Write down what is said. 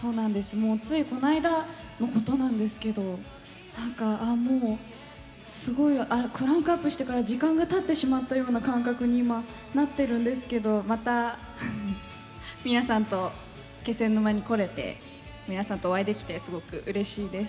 もうついこの間のことなんですけど何かああもうすごいクランクアップしてから時間がたってしまったような感覚に今なってるんですけどまた皆さんと気仙沼に来れて皆さんとお会いできてすごくうれしいです。